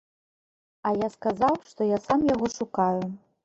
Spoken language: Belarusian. А я сказаў, што я сам яго шукаю.